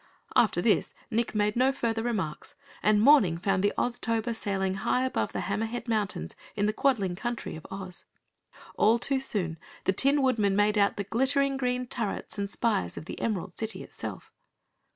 After this, Nick made no further remarks, and morning found the Oztober sailing high above the Hammerhead Mountains in the Quadling Country of Oz. All too soon the Tin Woodman made out the glittering green turrets and spires of the Emerald City itself.